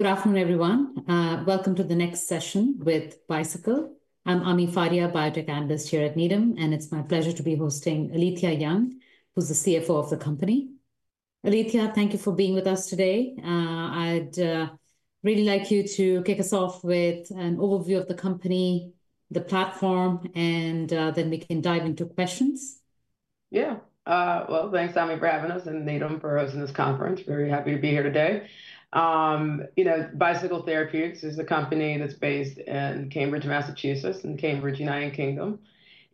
Good afternoon, everyone. Welcome to the next session with Bicycle. I'm Ami Fadia, biotech analyst here at Needham, and it's my pleasure to be hosting Alethia Young, who's the CFO of the company. Alethia, thank you for being with us today. I'd really like you to kick us off with an overview of the company, the platform, and then we can dive into questions. Yeah, thanks, Ami, for having us, and Needham for hosting this conference. Very happy to be here today. You know, Bicycle Therapeutics is a company that's based in Cambridge, Massachusetts, and in Cambridge, United Kingdom.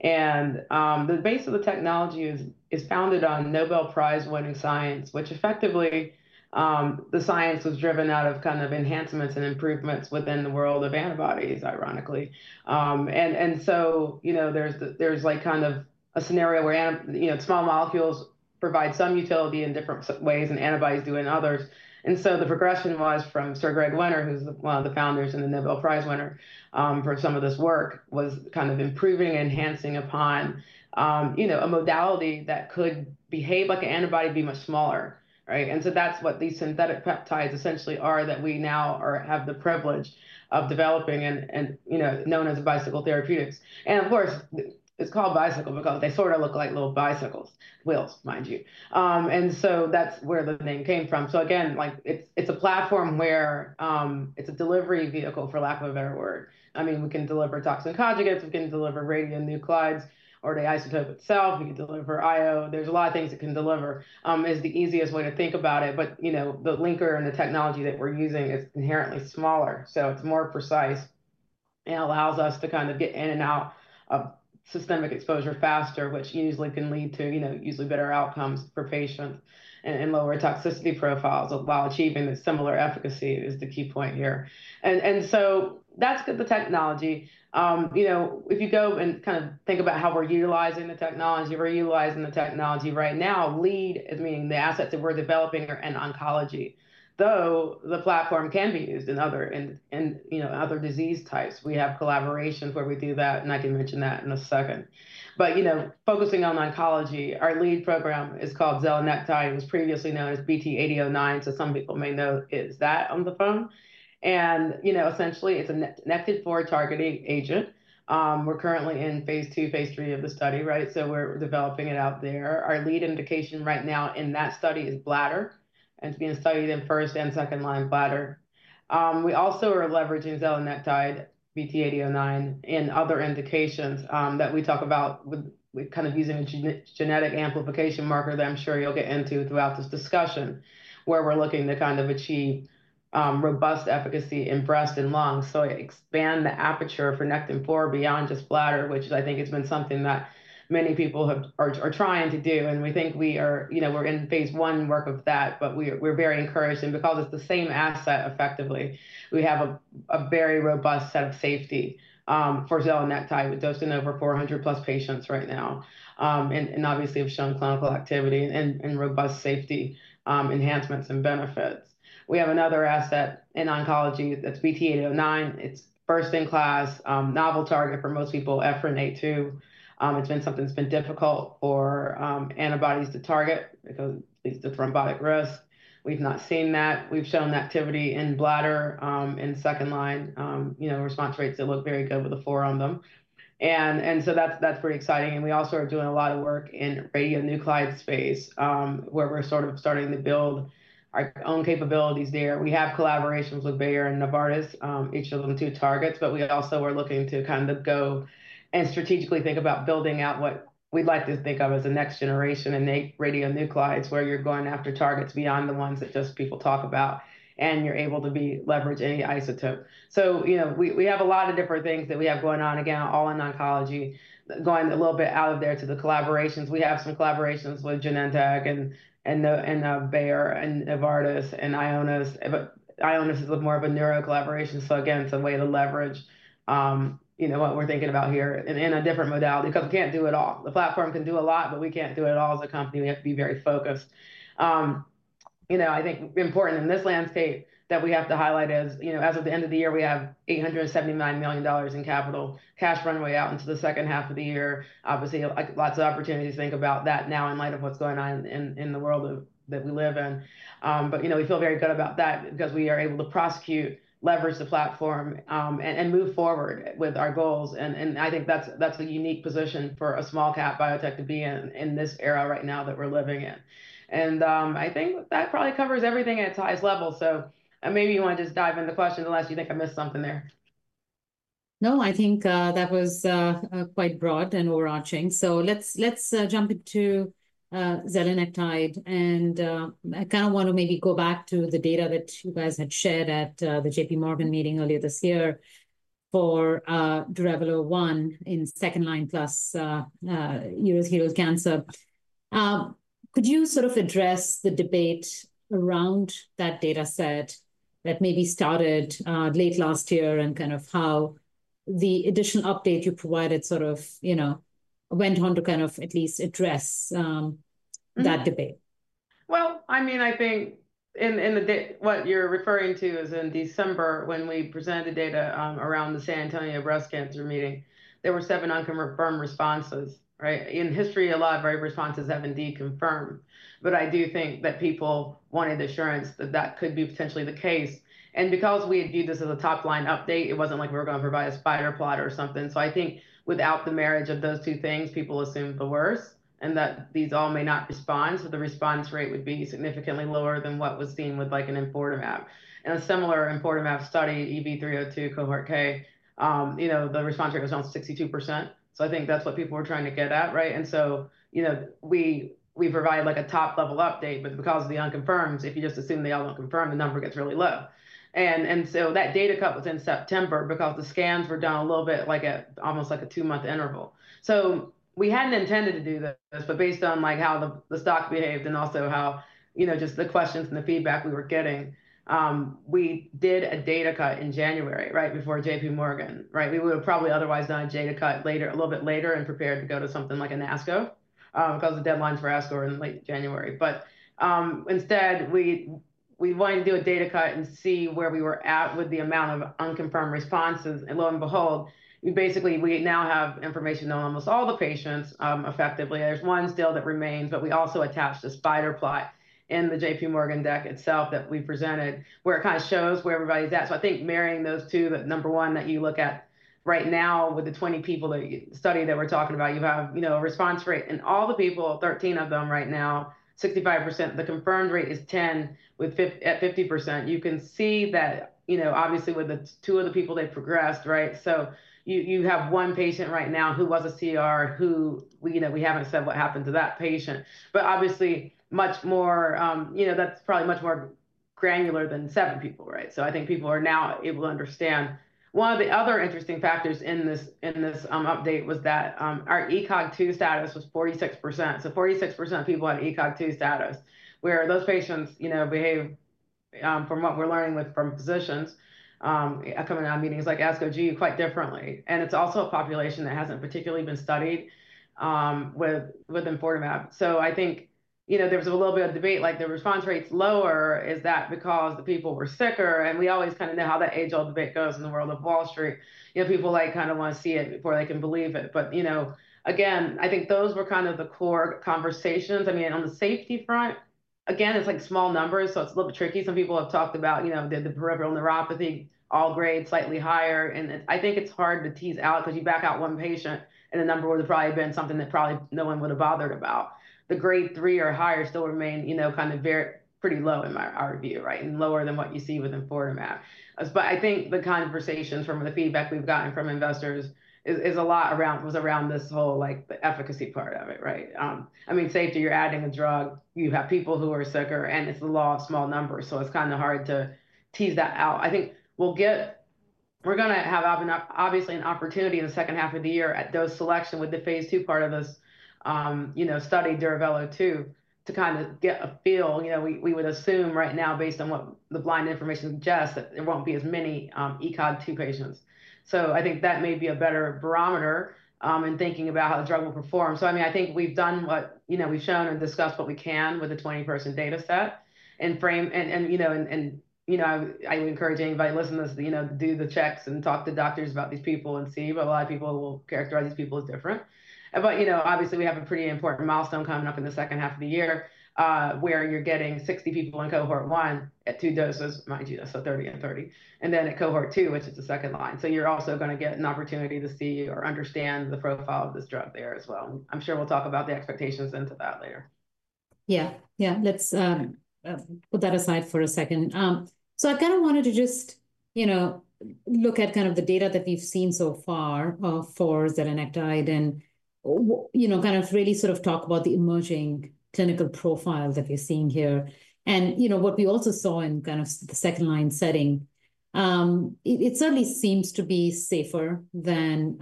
The base of the technology is founded on Nobel Prize-winning science, which effectively, the science was driven out of kind of enhancements and improvements within the world of antibodies, ironically. You know, there's like kind of a scenario where, you know, small molecules provide some utility in different ways and antibodies do in others. The progression was from Sir Gregory Winter, who's one of the founders and a Nobel Prize winner for some of this work, kind of improving and enhancing upon, you know, a modality that could behave like an antibody being much smaller, right? That's what these synthetic peptides essentially are that we now have the privilege of developing and, you know, known as Bicycle Therapeutics. Of course, it's called Bicycle because they sort of look like little bicycles, wheels, mind you. That's where the name came from. Again, like it's a platform where it's a delivery vehicle, for lack of a better word. I mean, we can deliver toxin conjugates, we can deliver radionuclides, or the isotope itself, we can deliver IO. There's a lot of things it can deliver. It's the easiest way to think about it, but you know, the linker and the technology that we're using is inherently smaller. It is more precise and allows us to kind of get in and out of systemic exposure faster, which usually can lead to, you know, usually better outcomes for patients and lower toxicity profiles while achieving similar efficacy is the key point here. That is the technology. You know, if you go and kind of think about how we're utilizing the technology, we're utilizing the technology right now, lead, meaning the assets that we're developing are in oncology. Though the platform can be used in other, you know, other disease types. We have collaborations where we do that, and I can mention that in a second. You know, focusing on oncology, our lead program is called Zelanectide. It was previously known as BT-8009, so some people may know it as that on the phone. You know, essentially it is a nectin-4 targeting agent. We're currently in phase two, phase three of the study, right? We're developing it out there. Our lead indication right now in that study is bladder, and it's being studied in first and second-line bladder. We also are leveraging Zelanectide, BT-8009, in other indications that we talk about with kind of using a genetic amplification marker that I'm sure you'll get into throughout this discussion, where we're looking to kind of achieve robust efficacy in breast and lung. Expand the aperture for nectin-4 beyond just bladder, which I think has been something that many people are trying to do. We think we are, you know, we're in phase one work of that, but we're very encouraged because it's the same asset effectively. We have a very robust set of safety for Zelanectide with dosing over 400+ patients right now, and obviously have shown clinical activity and robust safety enhancements and benefits. We have another asset in oncology that's BT-8009. It's first in class, novel target for most people, EphB4. It's been something that's been difficult for antibodies to target because it leads to thrombotic risk. We've not seen that. We've shown activity in bladder in second-line, you know, response rates that look very good with a four on them. That is pretty exciting. We also are doing a lot of work in radionuclide space, where we're sort of starting to build our own capabilities there. We have collaborations with Bayer and Novartis, each of them two targets, but we also are looking to kind of go and strategically think about building out what we'd like to think of as a next generation in radionuclides, where you're going after targets beyond the ones that just people talk about, and you're able to leverage any isotope. You know, we have a lot of different things that we have going on, again, all in oncology, going a little bit out of there to the collaborations. We have some collaborations with Genentech and Bayer and Novartis and Ionis. Ionis is more of a neuro collaboration. Again, it's a way to leverage, you know, what we're thinking about here in a different modality because we can't do it all. The platform can do a lot, but we can't do it all as a company. We have to be very focused. You know, I think important in this landscape that we have to highlight is, you know, as of the end of the year, we have $879 million in capital cash runway out into the second half of the year. Obviously, lots of opportunities to think about that now in light of what's going on in the world that we live in. You know, we feel very good about that because we are able to prosecute, leverage the platform, and move forward with our goals. I think that's a unique position for a small-cap biotech to be in this era right now that we're living in. I think that probably covers everything at its highest level. Maybe you want to just dive into questions unless you think I missed something there. No, I think that was quite broad and overarching. Let's jump into Zelanectide. I kind of want to maybe go back to the data that you guys had shared at the JP Morgan meeting earlier this year for Duravelo-1 in second-line plus urothelial cancer. Could you sort of address the debate around that data set that maybe started late last year and how the additional update you provided sort of, you know, went on to at least address that debate? I mean, I think what you're referring to is in December when we presented data around the San Antonio Breast Cancer meeting, there were seven unconfirmed responses, right? In history, a lot of our responses have indeed confirmed. I do think that people wanted assurance that that could be potentially the case. Because we had viewed this as a top-line update, it was not like we were going to provide a spider plot or something. I think without the marriage of those two things, people assumed the worst and that these all may not respond. The response rate would be significantly lower than what was seen with like an enfortumab. In a similar enfortumab study, EV-302 cohort K, you know, the response rate was around 62%. I think that's what people were trying to get at, right? You know, we provide like a top-level update, but because of the unconfirmed, if you just assume they all do not confirm, the number gets really low. That data cut was in September because the scans were done a little bit like at almost like a two-month interval. We had not intended to do this, but based on like how the stock behaved and also how, you know, just the questions and the feedback we were getting, we did a data cut in January, right before JP Morgan, right? We would have probably otherwise done a data cut a little bit later and prepared to go to something like an ASCO because the deadlines for ASCO are in late January. Instead, we wanted to do a data cut and see where we were at with the amount of unconfirmed responses. Lo and behold, we basically, we now have information on almost all the patients effectively. There's one still that remains, but we also attached a spider plot in the JP Morgan deck itself that we presented where it kind of shows where everybody's at. I think marrying those two, that number one that you look at right now with the 20 people that study that we're talking about, you have, you know, a response rate and all the people, 13 of them right now, 65%, the confirmed rate is 10 at 50%. You can see that, you know, obviously with the two of the people they progressed, right? You have one patient right now who was a CR, who, you know, we haven't said what happened to that patient, but obviously much more, you know, that's probably much more granular than seven people, right? I think people are now able to understand. One of the other interesting factors in this update was that our ECOG-2 status was 46%. So 46% of people had ECOG-2 status, where those patients, you know, behave from what we're learning from physicians coming out of meetings like ASCO GU quite differently. It's also a population that hasn't particularly been studied with enfortumab. I think, you know, there was a little bit of debate, like the response rate's lower, is that because the people were sicker? We always kind of know how that age-old debate goes in the world of Wall Street. You know, people like kind of want to see it before they can believe it. You know, again, I think those were kind of the core conversations. I mean, on the safety front, again, it's like small numbers, so it's a little bit tricky. Some people have talked about, you know, the peripheral neuropathy, all grades slightly higher. And I think it's hard to tease out because you back out one patient and a number would have probably been something that probably no one would have bothered about. The grade three or higher still remain, you know, kind of very pretty low in my review, right? And lower than what you see with enfortumab. I think the conversations from the feedback we've gotten from investors is a lot around, was around this whole like the efficacy part of it, right? I mean, safety, you're adding a drug, you have people who are sicker, and it's the law of small numbers. It's kind of hard to tease that out. I think we'll get, we're going to have obviously an opportunity in the second half of the year at dose selection with the phase two part of this, you know, study, Duravelo-2, to kind of get a feel. You know, we would assume right now, based on what the blind information suggests, that there won't be as many ECOG-2 patients. I think that may be a better barometer in thinking about how the drug will perform. I mean, I think we've done what, you know, we've shown and discussed what we can with a 20-person data set and frame, and, you know, I would encourage anybody to listen to this, you know, do the checks and talk to doctors about these people and see, but a lot of people will characterize these people as different. You know, obviously we have a pretty important milestone coming up in the second half of the year, where you're getting 60 people in cohort one at two doses, mind you, that's a 30 and 30, and then at cohort two, which is the second line. You are also going to get an opportunity to see or understand the profile of this drug there as well. I'm sure we'll talk about the expectations into that later. Yeah, yeah, let's put that aside for a second. I kind of wanted to just, you know, look at kind of the data that we've seen so far for Zelanectide and, you know, kind of really sort of talk about the emerging clinical profile that we're seeing here. You know, what we also saw in kind of the second-line setting, it certainly seems to be safer than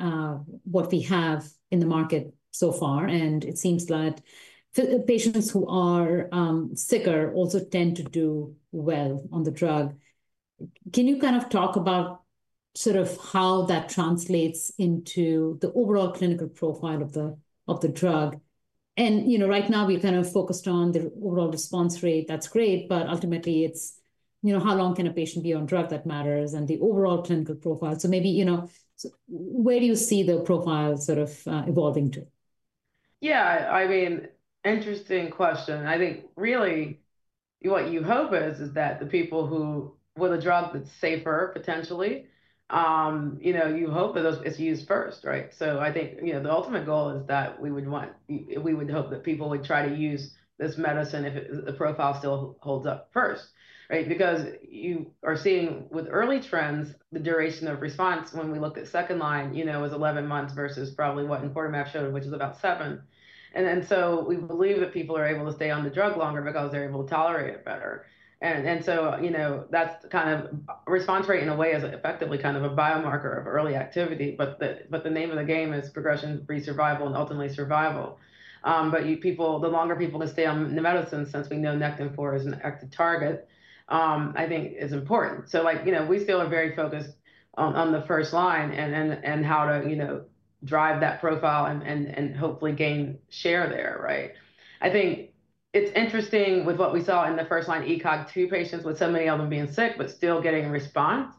what we have in the market so far. It seems like patients who are sicker also tend to do well on the drug. Can you kind of talk about sort of how that translates into the overall clinical profile of the drug? You know, right now we've kind of focused on the overall response rate. That's great, but ultimately it's, you know, how long can a patient be on drug that matters and the overall clinical profile. Maybe, you know, where do you see the profile sort of evolving to? Yeah, I mean, interesting question. I think really what you hope is that the people who with a drug that's safer potentially, you know, you hope that it's used first, right? I think, you know, the ultimate goal is that we would want, we would hope that people would try to use this medicine if the profile still holds up first, right? Because you are seeing with early trends, the duration of response when we looked at second line, you know, was 11 months versus probably what enfortumab showed, which is about seven. I think we believe that people are able to stay on the drug longer because they're able to tolerate it better. You know, that's kind of response rate in a way is effectively kind of a biomarker of early activity, but the name of the game is progression-free survival and ultimately survival. The longer people stay on the medicine, since we know nectin-4 is an active target, I think is important. Like, you know, we still are very focused on the first line and how to, you know, drive that profile and hopefully gain share there, right? I think it's interesting with what we saw in the first-line ECOG-2 patients with so many of them being sick, but still getting a response.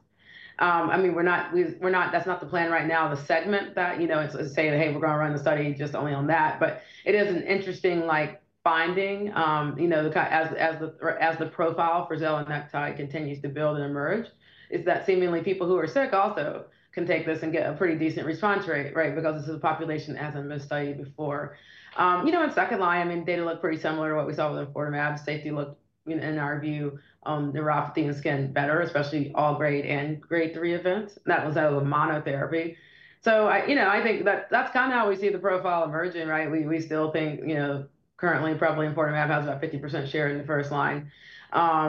I mean, we're not, that's not the plan right now, the segment that, you know, it's saying, hey, we're going to run the study just only on that. But it is an interesting like finding, you know, as the profile for Zelanectide continues to build and emerge, is that seemingly people who are sick also can take this and get a pretty decent response rate, right? Because this is a population as studied before. You know, in second line, I mean, data look pretty similar to what we saw with Padcev. Safety looked, in our view, neuropathy and skin better, especially all grade and grade three events. That was a monotherapy. You know, I think that that's kind of how we see the profile emerging, right? We still think, you know, currently probably enfortumab has about 50% share in the first line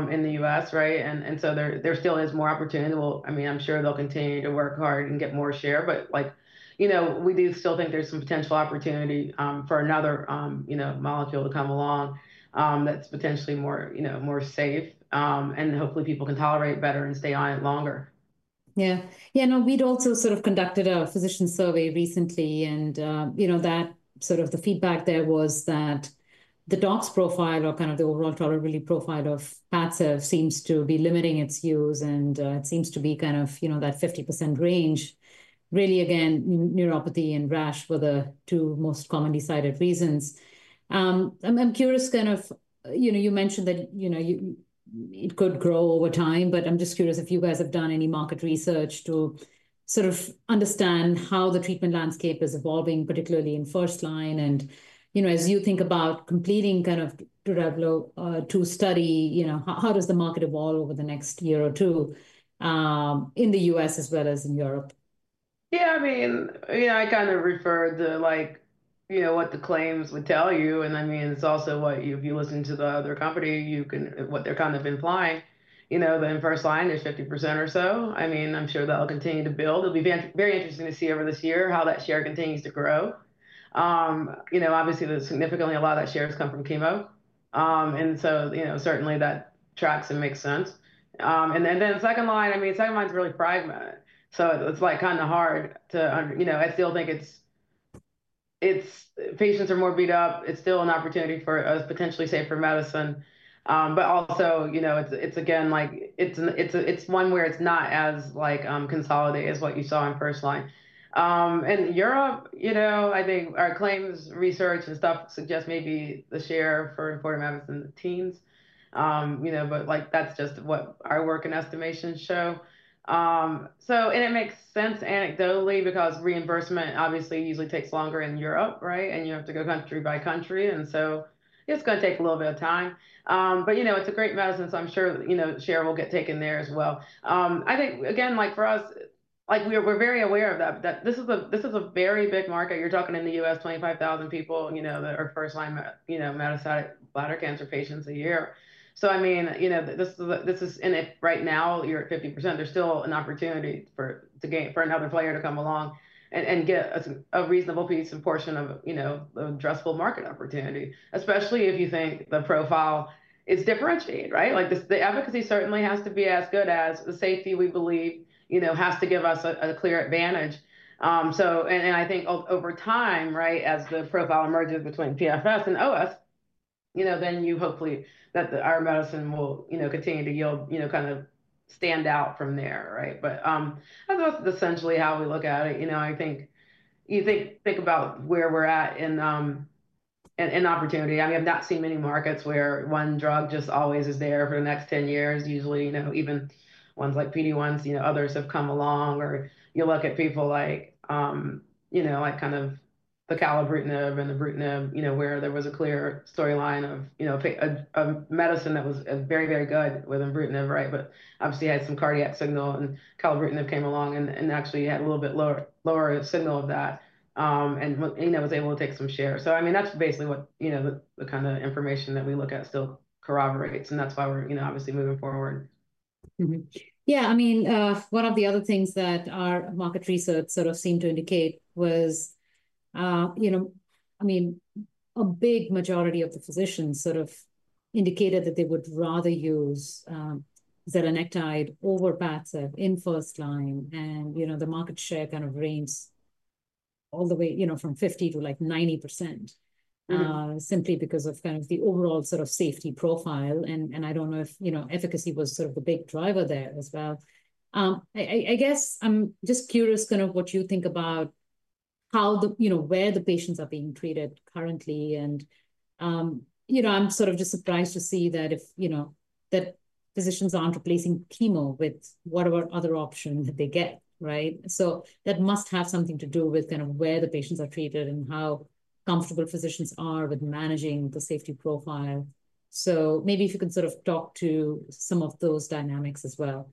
in the U.S., right? There still is more opportunity. I mean, I'm sure they'll continue to work hard and get more share, but like, you know, we do still think there's some potential opportunity for another, you know, molecule to come along that's potentially more, you know, more safe and hopefully people can tolerate better and stay on it longer. Yeah, yeah, no, we'd also sort of conducted a physician survey recently and, you know, that sort of the feedback there was that the DOX profile or kind of the overall tolerability profile of Padcev seems to be limiting its use and it seems to be kind of, you know, that 50% range. Really, again, neuropathy and rash were the two most commonly cited reasons. I'm curious kind of, you know, you mentioned that, you know, it could grow over time, but I'm just curious if you guys have done any market research to sort of understand how the treatment landscape is evolving, particularly in first line. You know, as you think about completing kind of Duravelo-2 study, you know, how does the market evolve over the next year or two in the U.S. as well as in Europe? Yeah, I mean, you know, I kind of referred to like, you know, what the claims would tell you. I mean, it's also what if you listen to the other company, you can what they're kind of implying, you know, that in first line is 50% or so. I mean, I'm sure that'll continue to build. It'll be very interesting to see over this year how that share continues to grow. You know, obviously there's significantly a lot of that shares come from chemo. You know, certainly that tracks and makes sense. In second line, I mean, second line's really fragmented. It's like kind of hard to, you know, I still think it's patients are more beat up. It's still an opportunity for us, potentially safer medicine. Also, you know, it's again like it's one where it's not as consolidated as what you saw in first line. Europe, you know, I think our claims research and stuff suggests maybe the share for enfortumab is in the teens, you know, but like that's just what our work and estimations show. It makes sense anecdotally because reimbursement obviously usually takes longer in Europe, right? You have to go country by country, and so it's going to take a little bit of time. You know, it's a great medicine, so I'm sure, you know, share will get taken there as well. I think again, like for us, like we're very aware of that, that this is a very big market. You're talking in the U.S., 25,000 people, you know, that are first line, you know, metastatic bladder cancer patients a year. I mean, you know, this is in it right now, you're at 50%. There's still an opportunity for another player to come along and get a reasonable piece and portion of, you know, the addressable market opportunity, especially if you think the profile is differentiated, right? Like the advocacy certainly has to be as good as the safety we believe, you know, has to give us a clear advantage. I think over time, right, as the profile emerges between PFS and OS, you know, then you hopefully that our medicine will, you know, continue to yield, you know, kind of stand out from there, right? But that's essentially how we look at it. You know, I think you think about where we're at in opportunity. I mean, I've not seen many markets where one drug just always is there for the next 10 years. Usually, you know, even ones like PD-1s, you know, others have come along or you look at people like, you know, like kind of the Acalabrutinib and the Ibrutinib, you know, where there was a clear storyline of, you know, a medicine that was very, very good with Ibrutinib, right? Obviously had some cardiac signal and Acalabrutinib came along and actually had a little bit lower signal of that and was able to take some share. I mean, that's basically what, you know, the kind of information that we look at still corroborates. That's why we're, you know, obviously moving forward. Yeah, I mean, one of the other things that our market research sort of seemed to indicate was, you know, I mean, a big majority of the physicians sort of indicated that they would rather use Zelanectide over Padcev in first line. You know, the market share kind of ranged all the way, you know, from 50%-90% simply because of kind of the overall sort of safety profile. I don't know if, you know, efficacy was sort of the big driver there as well. I guess I'm just curious kind of what you think about how the, you know, where the patients are being treated currently. You know, I'm sort of just surprised to see that if, you know, that physicians aren't replacing chemo with whatever other option that they get, right? That must have something to do with kind of where the patients are treated and how comfortable physicians are with managing the safety profile. Maybe if you can sort of talk to some of those dynamics as well.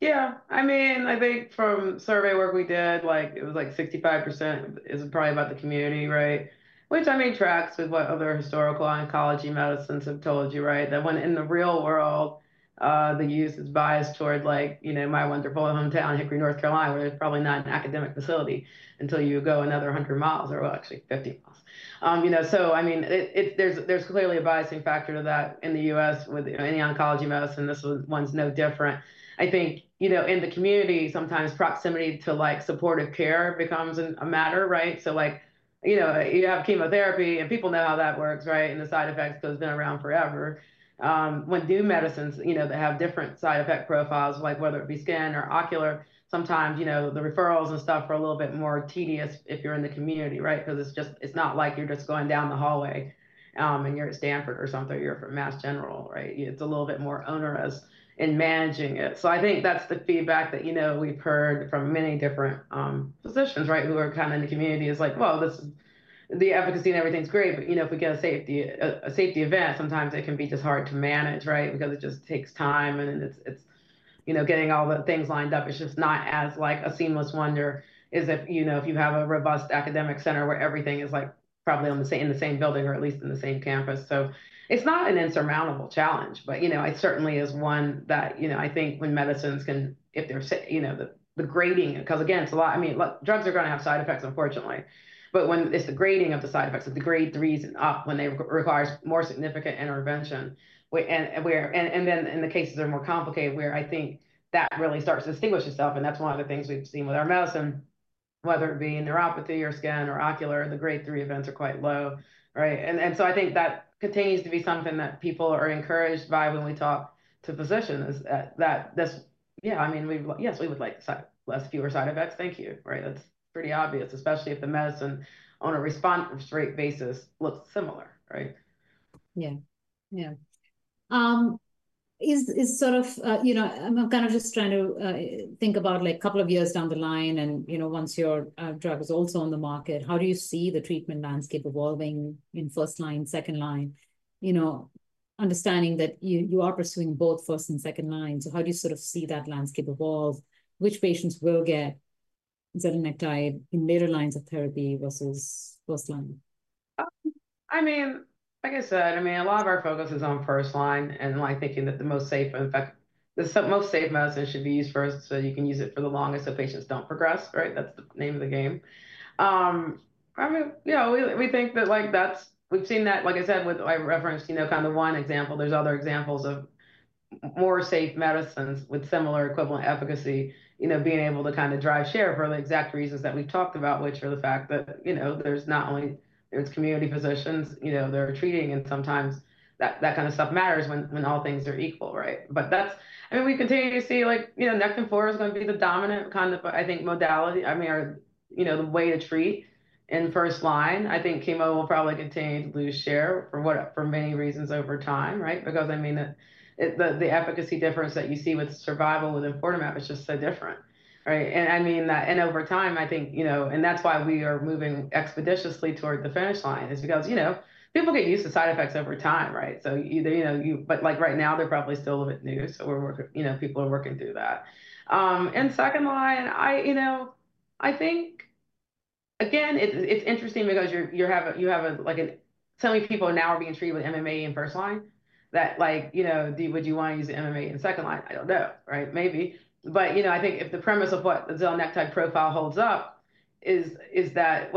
Yeah, I mean, I think from survey work we did, like it was like 65% is probably about the community, right? Which I mean, tracks with what other historical oncology medicines have told you, right? That when in the real world, the use is biased towards like, you know, my wonderful hometown, Hickory, North Carolina, where there's probably not an academic facility until you go another 100 mi or actually 50 mi. You know, I mean, there's clearly a biasing factor to that in the U.S with any oncology medicine. This one's no different. I think, you know, in the community, sometimes proximity to like supportive care becomes a matter, right? So like, you know, you have chemotherapy and people know how that works, right? And the side effects have been around forever. When new medicines, you know, that have different side effect profiles, like whether it be skin or ocular, sometimes, you know, the referrals and stuff are a little bit more tedious if you're in the community, right? Because it's just, it's not like you're just going down the hallway and you're at Stanford or something or you're from Mass General, right? It's a little bit more onerous in managing it. I think that's the feedback that, you know, we've heard from many different physicians, right, who are kind of in the community is like, well, this is the efficacy and everything's great, but, you know, if we get a safety event, sometimes it can be just hard to manage, right? Because it just takes time and it's, you know, getting all the things lined up is just not as like a seamless wonder as if, you know, if you have a robust academic center where everything is like probably in the same building or at least in the same campus. It is not an insurmountable challenge, but, you know, it certainly is one that, you know, I think when medicines can, if they're, you know, the grading, because again, it's a lot, I mean, drugs are going to have side effects, unfortunately, but when it's the grading of the side effects, if the grade three is up when they require more significant intervention, and then in the cases are more complicated, where I think that really starts to distinguish itself. That's one of the things we've seen with our medicine, whether it be in neuropathy or skin or ocular, the grade three events are quite low, right? I think that continues to be something that people are encouraged by when we talk to physicians that this, yeah, I mean, yes, we would like fewer side effects. Thank you, right? That's pretty obvious, especially if the medicine on a response rate basis looks similar, right? Yeah, yeah. Is sort of, you know, I'm kind of just trying to think about like a couple of years down the line and, you know, once your drug is also on the market, how do you see the treatment landscape evolving in first line, second line, you know, understanding that you are pursuing both first and second lines? How do you sort of see that landscape evolve? Which patients will get Zelanectide in later lines of therapy versus first line? I mean, like I said, a lot of our focus is on first line and like thinking that the most safe, in fact, the most safe medicine should be used first so you can use it for the longest so patients don't progress, right? That's the name of the game. I mean, yeah, we think that like that's we've seen that, like I said, with I referenced, you know, kind of one example. There's other examples of more safe medicines with similar equivalent efficacy, you know, being able to kind of drive share for the exact reasons that we've talked about, which are the fact that, you know, there's not only it's community physicians, you know, they're treating and sometimes that kind of stuff matters when all things are equal, right? That's, I mean, we continue to see, like, you know, nectin-4 is going to be the dominant kind of, I think, modality. I mean, you know, the way to treat in first line, I think chemo will probably continue to lose share for many reasons over time, right? Because, I mean, the efficacy difference that you see with survival with Padcev is just so different, right? I mean, that and over time, I think, you know, and that's why we are moving expeditiously toward the finish line is because, you know, people get used to side effects over time, right? You know, but like right now, they're probably still a little bit new. We're, you know, people are working through that. Second line, I, you know, I think again, it's interesting because you have a, like a so many people now are being treated with MMAE in first line that like, you know, would you want to use MMAE in second line? I don't know, right? Maybe. You know, I think if the premise of what the Zelanectide profile holds up is that,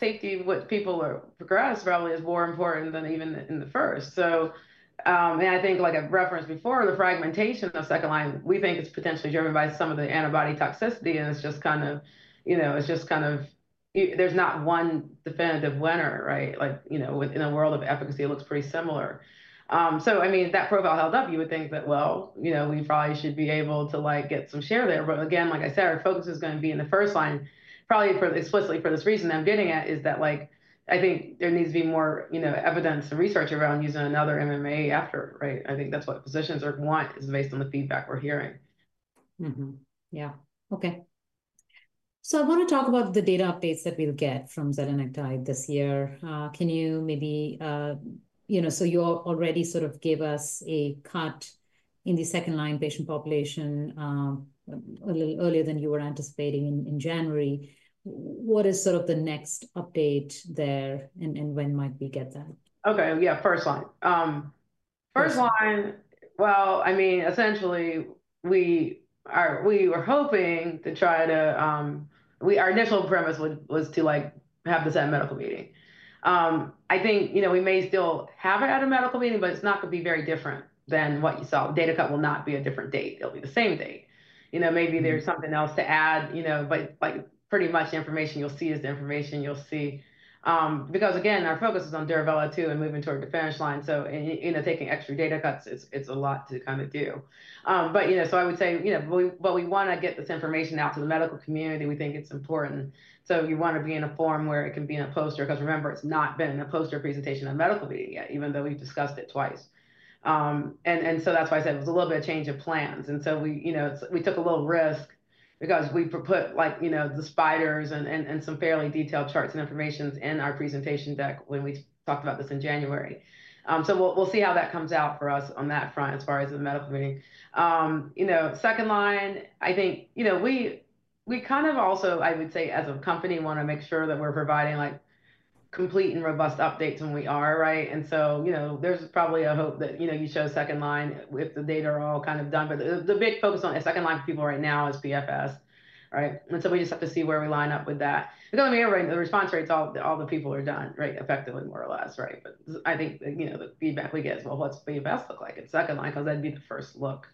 safety with people who are progressed probably is more important than even in the first. I think like I've referenced before, the fragmentation of second line, we think it's potentially driven by some of the antibody toxicity and it's just kind of, you know, it's just kind of there's not one definitive winner, right? Like, you know, in a world of efficacy, it looks pretty similar. I mean, that profile held up, you would think that, well, you know, we probably should be able to like get some share there. But again, like I said, our focus is going to be in the first line probably for explicitly for this reason I'm getting at is that like, I think there needs to be more, you know, evidence and research around using another MMAE after, right? I think that's what physicians are want is based on the feedback we're hearing. Yeah, okay. I want to talk about the data updates that we'll get from Zelanectide this year. Can you maybe, you know, you already sort of gave us a cut in the second line patient population a little earlier than you were anticipating in January. What is sort of the next update there and when might we get that? Okay, yeah, first line. First line, I mean, essentially we were hoping to try to, our initial premise was to like have the same medical meeting. I think, you know, we may still have it at a medical meeting, but it's not going to be very different than what you saw. Data cut will not be a different date. It'll be the same date. You know, maybe there's something else to add, you know, but like pretty much information you'll see is the information you'll see. Because again, our focus is on Duravelo-2 and moving toward the finish line. You know, taking extra data cuts, it's a lot to kind of do. You know, I would say, you know, what we want to get this information out to the medical community, we think it's important. You want to be in a form where it can be in a poster because remember, it's not been in a poster presentation at a medical meeting yet, even though we've discussed it twice. That is why I said it was a little bit of change of plans. We, you know, we took a little risk because we put like, you know, the spiders and some fairly detailed charts and information in our presentation deck when we talked about this in January. We will see how that comes out for us on that front as far as the medical meeting. Second line, I think, you know, we kind of also, I would say as a company, want to make sure that we're providing like complete and robust updates when we are, right? You know, there's probably a hope that, you know, you show second line if the data are all kind of done. The big focus on second line for people right now is PFS, right? We just have to see where we line up with that. I mean, the response rates, all the people are done, right? Effectively, more or less, right? I think, you know, the feedback we get is, well, what's PFS look like in second line? That'd be the first look.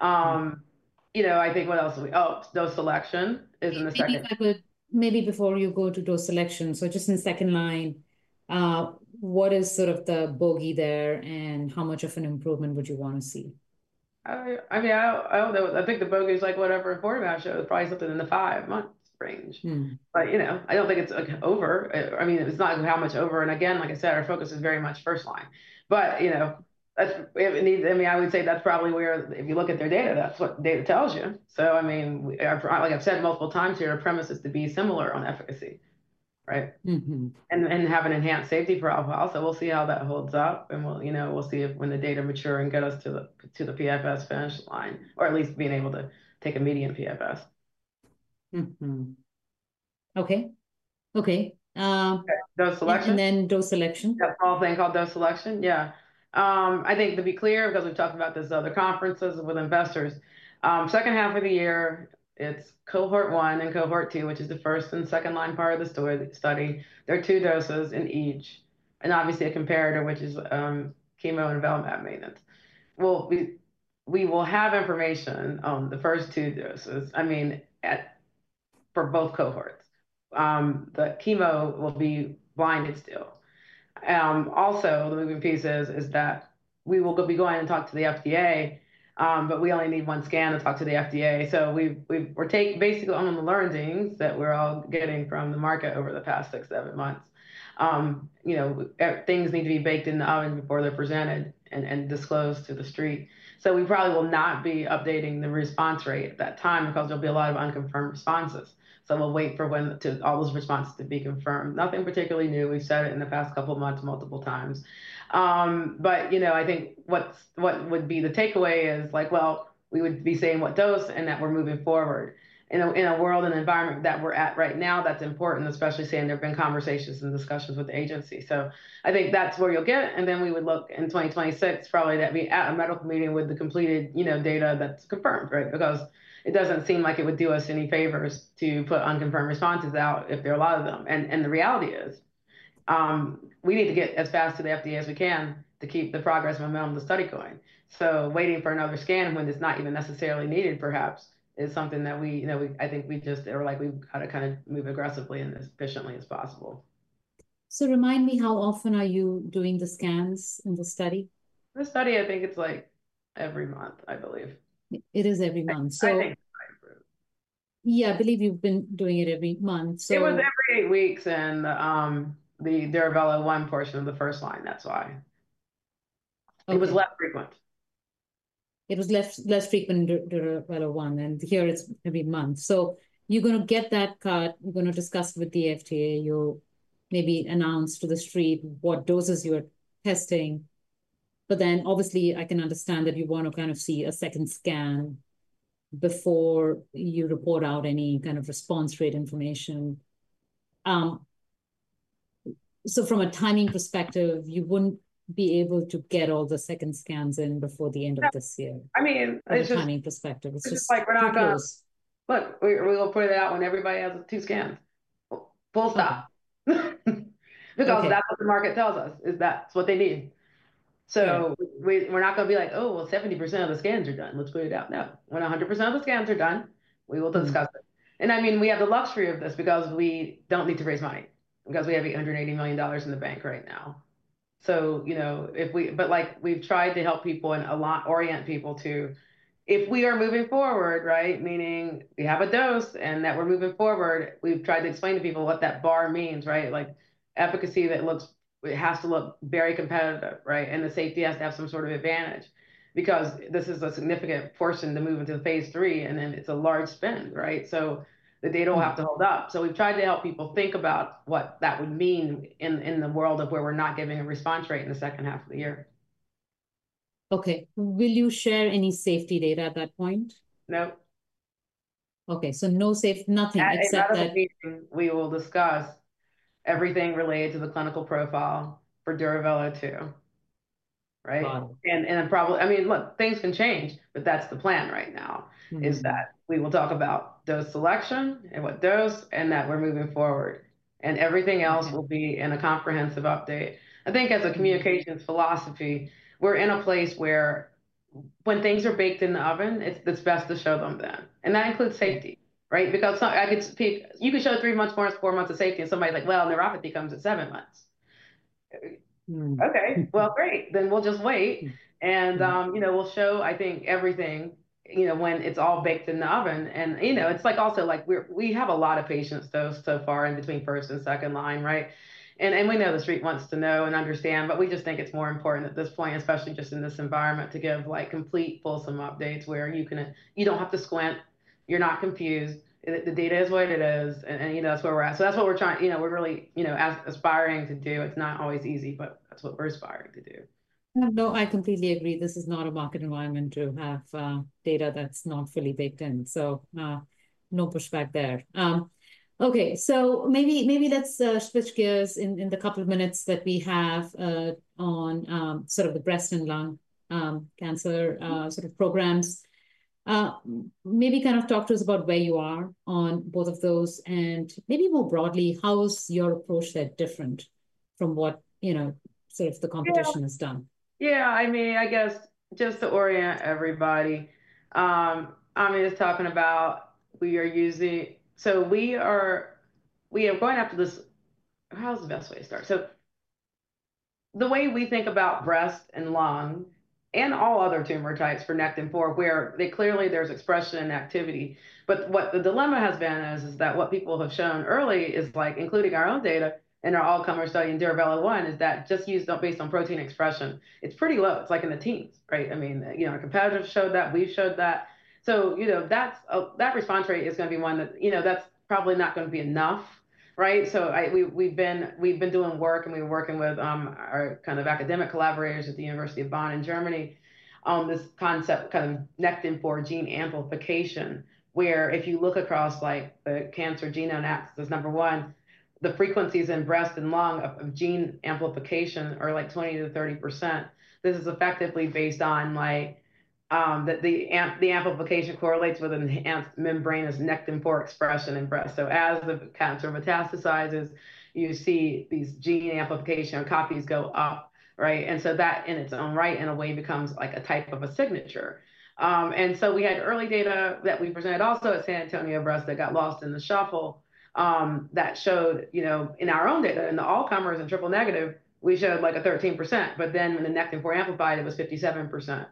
I think what else do we—oh, dose selection is in the second. Maybe before you go to dose selection. Just in second line, what is sort of the bogey there and how much of an improvement would you want to see? I mean, I don't know. I think the bogey is like whatever Padcev showed, probably something in the five months range. You know, I don't think it's over. I mean, it's not how much over. Like I said, our focus is very much first line. You know, I would say that's probably where if you look at their data, that's what data tells you. I mean, like I've said multiple times here, our premise is to be similar on efficacy, right? And have an enhanced safety profile. We'll see how that holds up and we'll, you know, we'll see when the data mature and get us to the PFS finish line, or at least being able to take a median PFS. Okay, okay. Dose selection? Dose selection. That whole thing called dose selection, yeah. I think to be clear, because we've talked about this at other conferences with investors, second half of the year, it's cohort one and cohort two, which is the first and second line part of the study. There are two doses in each and obviously a comparator, which is chemo and avelumab maintenance. We will have information on the first two doses, I mean, for both cohorts. The chemo will be blinded still. Also, the moving pieces is that we will be going and talk to the FDA, but we only need one scan to talk to the FDA. We're taking basically on the learnings that we're all getting from the market over the past six, seven months. You know, things need to be baked in the oven before they're presented and disclosed to the street. We probably will not be updating the response rate at that time because there'll be a lot of unconfirmed responses. We will wait for all those responses to be confirmed. Nothing particularly new. We've said it in the past couple of months multiple times. You know, I think what would be the takeaway is like, well, we would be saying what dose and that we're moving forward. In a world, an environment that we're at right now, that's important, especially saying there've been conversations and discussions with the agency. I think that's where you'll get. We would look in 2026, probably that'd be at a medical meeting with the completed, you know, data that's confirmed, right? Because it doesn't seem like it would do us any favors to put unconfirmed responses out if there are a lot of them. The reality is we need to get as fast to the FDA as we can to keep the progress of a medical study going. Waiting for another scan when it's not even necessarily needed perhaps is something that we, you know, I think we just are like, we've got to kind of move aggressively and as efficiently as possible. Remind me, how often are you doing the scans in the study? The study, I think it's like every month, I believe. It is every month. I think so. Yeah, I believe you've been doing it every month. It was every eight weeks and the Duravelo-1 portion of the first line. That's why. It was less frequent. It was less frequent in Duravelo-1. Here it's every month. You're going to get that cut. You're going to discuss with the FDA. You'll maybe announce to the street what doses you're testing. Obviously I can understand that you want to kind of see a second scan before you report out any kind of response rate information. From a timing perspective, you wouldn't be able to get all the second scans in before the end of this year. I mean. From a timing perspective, it's just. It's just like we're not going to. Look, we'll put it out when everybody has two scans. Full stop. Because that's what the market tells us is that's what they need. We're not going to be like, oh, well, 70% of the scans are done. Let's put it out. No. When 100% of the scans are done, we will discuss it. I mean, we have the luxury of this because we don't need to raise money because we have $880 million in the bank right now. You know, if we, but like we've tried to help people and a lot orient people to if we are moving forward, right? Meaning we have a dose and that we're moving forward. We've tried to explain to people what that bar means, right? Like efficacy that looks, it has to look very competitive, right? The safety has to have some sort of advantage because this is a significant portion to move into the phase three and then it's a large spend, right? The data will have to hold up. We've tried to help people think about what that would mean in the world of where we're not giving a response rate in the second half of the year. Okay. Will you share any safety data at that point? No. Okay. No safety, nothing except that. At that meeting, we will discuss everything related to the clinical profile for Duravelo-2, right? And probably, I mean, look, things can change, but that's the plan right now is that we will talk about dose selection and what dose and that we're moving forward. Everything else will be in a comprehensive update. I think as a communications philosophy, we're in a place where when things are baked in the oven, it's best to show them then. That includes safety, right? Because you could show three months more, it's four months of safety and somebody's like, well, neuropathy comes at seven months. Okay. Great. Then we'll just wait. You know, we'll show, I think, everything, you know, when it's all baked in the oven. You know, it's like also like we have a lot of patients dosed so far in between first and second line, right? You know the street wants to know and understand, but we just think it's more important at this point, especially just in this environment to give like complete fulsome updates where you can, you don't have to squint. You're not confused. The data is what it is. You know, that's where we're at. That's what we're trying, you know, we're really, you know, aspiring to do. It's not always easy, but that's what we're aspiring to do. No, I completely agree. This is not a market environment to have data that's not fully baked in. No pushback there. Okay. Maybe let's switch gears in the couple of minutes that we have on sort of the breast and lung cancer sort of programs. Maybe kind of talk to us about where you are on both of those and maybe more broadly, how is your approach that different from what, you know, sort of the competition has done? Yeah. I mean, I guess just to orient everybody. I'm just talking about we are using, so we are, we are going after this, how's the best way to start? The way we think about breast and lung and all other tumor types for Nectin-4, where clearly there's expression and activity. What the dilemma has been is that what people have shown early is like including our own data and our all-comer study in Duravelo-1 is that just used based on protein expression. It's pretty low. It's like in the teens, right? I mean, you know, our competitors showed that. We've showed that. You know, that response rate is going to be one that, you know, that's probably not going to be enough, right? We've been doing work and we were working with our kind of academic collaborators at the University of Bonn in Germany on this concept, kind of nectin-4 gene amplification, where if you look across like the Cancer Genome Atlas number one, the frequencies in breast and lung of gene amplification are like 20%-30%. This is effectively based on like the amplification correlates with enhanced membranous nectin-4 expression in breast. As the cancer metastasizes, you see these gene amplification copies go up, right? That in its own right in a way becomes like a type of a signature. We had early data that we presented also at San Antonio Breast that got lost in the shuffle that showed, you know, in our own data in the all-comers and triple negative, we showed like 13%, but then in the nectin-4 amplified, it was 57%.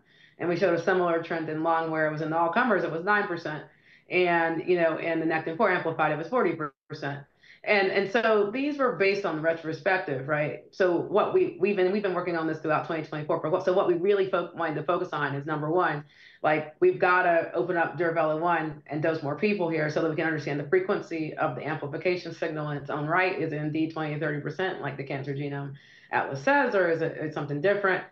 We showed a similar trend in lung where in the all-comers, it was 9%. You know, in the nectin-4 amplified, it was 40%. These were based on retrospective, right? What we've been working on is this throughout 2024. What we really wanted to focus on is number one, like we've got to open up Duravelo-1 and dose more people here so that we can understand the frequency of the amplification signal in its own right is indeed 20%-30% like The Cancer Genome Atlas says or is it something different?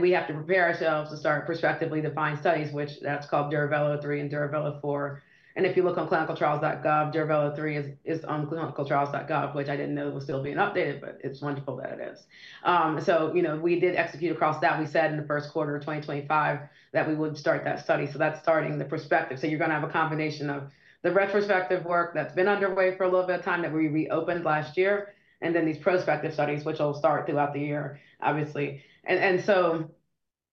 We have to prepare ourselves to start perspectively defined studies, which that's called Duravelo-3 and Duravelo-4. If you look on clinicaltrials.gov, Duravelo-3 is on clinicaltrials.gov, which I didn't know was still being updated, but it's wonderful that it is. You know, we did execute across that. We said in the first quarter of 2025 that we would start that study. That's starting the perspective. You're going to have a combination of the retrospective work that's been underway for a little bit of time that we reopened last year, and then these prospective studies, which will start throughout the year, obviously.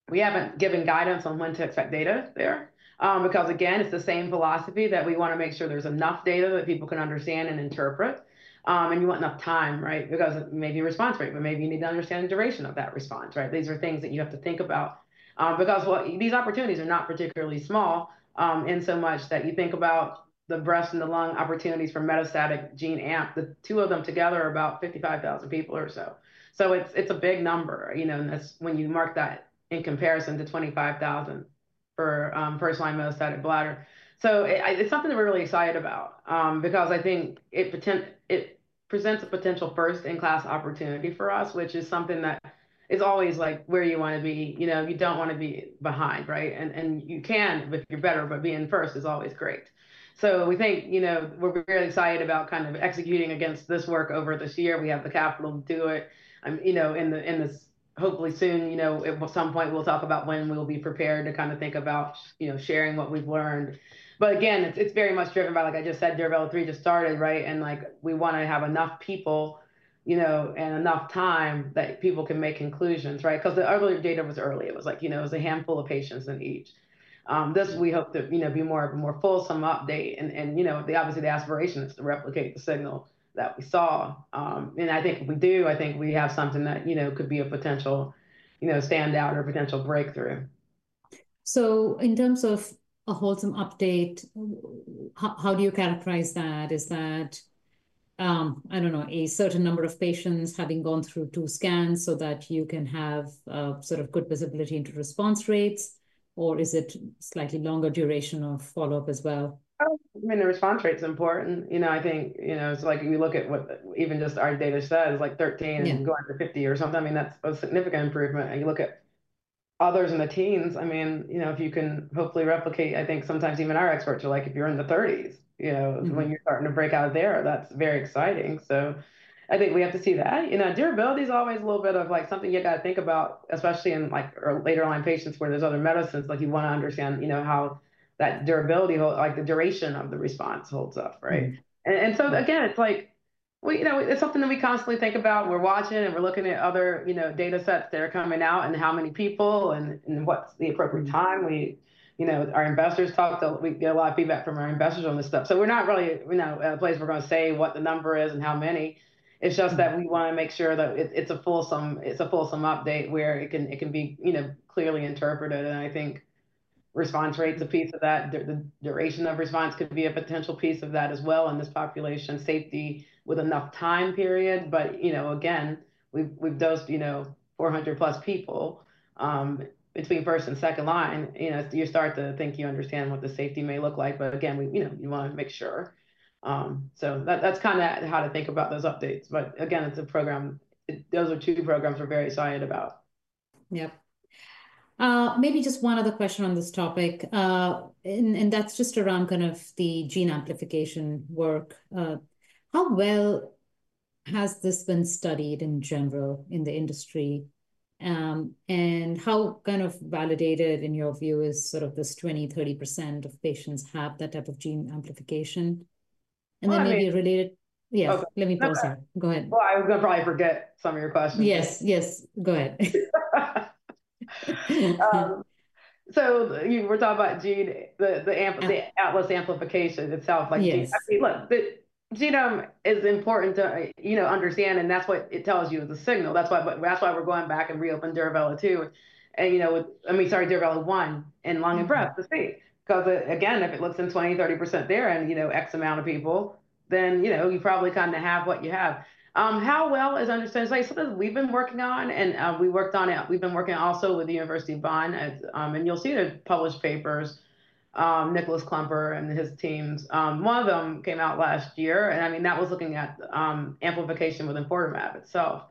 We haven't given guidance on when to expect data there because again, it's the same philosophy that we want to make sure there's enough data that people can understand and interpret. You want enough time, right? Because maybe response rate, but maybe you need to understand the duration of that response, right? These are things that you have to think about because these opportunities are not particularly small in so much that you think about the breast and the lung opportunities for metastatic gene amp, the two of them together are about 55,000 people or so. It's a big number, you know, when you mark that in comparison to 25,000 for first line metastatic bladder. It's something that we're really excited about because I think it presents a potential first-in-class opportunity for us, which is something that is always like where you want to be. You know, you don't want to be behind, right? You can if you're better, but being first is always great. We think, you know, we're really excited about kind of executing against this work over this year. We have the capital to do it. You know, hopefully soon, you know, at some point we'll talk about when we'll be prepared to kind of think about, you know, sharing what we've learned. Again, it's very much driven by, like I just said, Duravelo-3 just started, right? Like we want to have enough people, you know, and enough time that people can make conclusions, right? Because the earlier data was early. It was like, you know, it was a handful of patients in each. This we hope to, you know, be more of a more fulsome update. You know, obviously the aspiration is to replicate the signal that we saw. I think if we do, I think we have something that, you know, could be a potential, you know, standout or potential breakthrough. In terms of a wholesome update, how do you characterize that? Is that, I don't know, a certain number of patients having gone through two scans so that you can have sort of good visibility into response rates or is it slightly longer duration of follow-up as well? I mean, the response rate is important. You know, I think, you know, it's like you look at what even just our data says like 13 and going to 50 or something. I mean, that's a significant improvement. You look at others in the teens, I mean, you know, if you can hopefully replicate, I think sometimes even our experts are like if you're in the 30s, you know, when you're starting to break out there, that's very exciting. I think we have to see that. You know, durability is always a little bit of like something you got to think about, especially in like later line patients where there's other medicines. Like you want to understand, you know, how that durability, like the duration of the response holds up, right? You know, it's something that we constantly think about. We're watching it and we're looking at other, you know, data sets that are coming out and how many people and what's the appropriate time. We, you know, our investors talk to, we get a lot of feedback from our investors on this stuff. We're not really, we're not at a place we're going to say what the number is and how many. It's just that we want to make sure that it's a fulsome update where it can be, you know, clearly interpreted. I think response rate's a piece of that. The duration of response could be a potential piece of that as well in this population. Safety with enough time period. You know, again, we've dosed, you know, 400 plus people between first and second line. You know, you start to think you understand what the safety may look like. Again, we, you know, you want to make sure. So that's kind of how to think about those updates. Again, it's a program. Those are two programs we're very excited about. Yep. Maybe just one other question on this topic. That is just around kind of the gene amplification work. How well has this been studied in general in the industry? How kind of validated in your view is sort of this 20%-30% of patients have that type of gene amplification? Maybe related. I mean. Yeah. Let me pause here. Go ahead. I was going to probably forget some of your questions. Yes. Yes. Go ahead. We're talking about gene, the Atlas amplification itself. Like genome is important to, you know, understand and that's what it tells you is a signal. That's why we're going back and reopen Duravelo-2. I mean, sorry, Duravelo-1 and lung and breast to see. Because again, if it looks in 20%-30% there and, you know, X amount of people, then, you know, you probably kind of have what you have. How well is understanding? Something we've been working on and we worked on it. We've been working also with the University of Bonn. You'll see the published papers, Niklas Klümper and his teams. One of them came out last year. I mean, that was looking at amplification within enfortumab itself,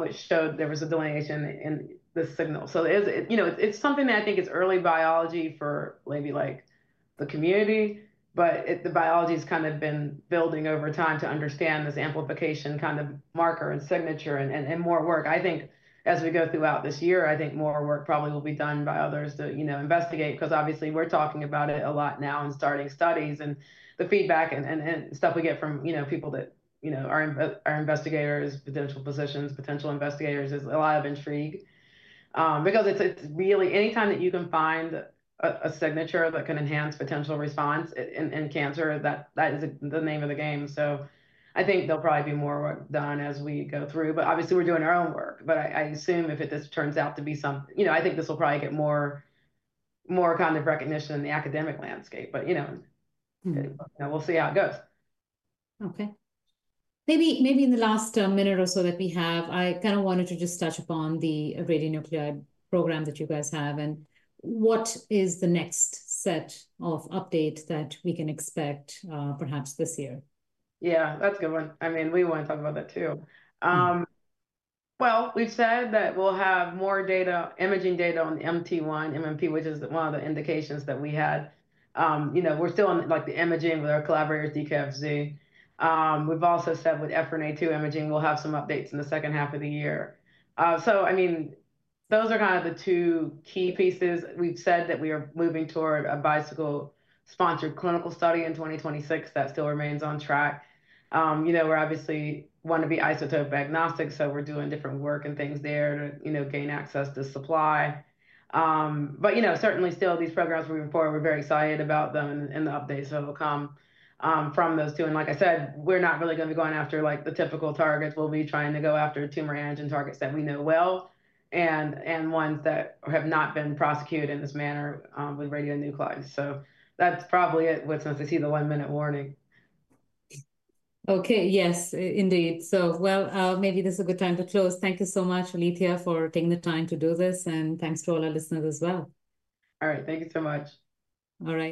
which showed there was a delineation in the signal. It's, you know, it's something that I think is early biology for maybe like the community, but the biology has kind of been building over time to understand this amplification kind of marker and signature and more work. I think as we go throughout this year, I think more work probably will be done by others to, you know, investigate because obviously we're talking about it a lot now and starting studies and the feedback and stuff we get from, you know, people that, you know, are investigators, potential physicians, potential investigators is a lot of intrigue. Because it's really anytime that you can find a signature that can enhance potential response in cancer, that is the name of the game. I think there'll probably be more work done as we go through. Obviously we're doing our own work. I assume if it just turns out to be something, you know, I think this will probably get more kind of recognition in the academic landscape. You know, we'll see how it goes. Okay. Maybe in the last minute or so that we have, I kind of wanted to just touch upon the radionuclide program that you guys have and what is the next set of updates that we can expect perhaps this year? Yeah, that's a good one. I mean, we want to talk about that too. We've said that we'll have more data, imaging data on MT1-MMP, which is one of the indications that we had. You know, we're still on like the imaging with our collaborators, DKFZ. We've also said with EphA2 imaging, we'll have some updates in the second half of the year. I mean, those are kind of the two key pieces. We've said that we are moving toward a Bicycle-sponsored clinical study in 2026 that still remains on track. You know, we're obviously wanting to be isotope agnostic. We're doing different work and things there to, you know, gain access to supply. You know, certainly still these programs moving forward, we're very excited about them and the updates that will come from those two. Like I said, we're not really going to be going after the typical targets. We'll be trying to go after tumor antigen targets that we know well and ones that have not been prosecuted in this manner with radionuclides. That's probably it with us to see the one-minute warning. Okay. Yes, indeed. Maybe this is a good time to close. Thank you so much, Alethia, for taking the time to do this. Thanks to all our listeners as well. All right. Thank you so much. All right.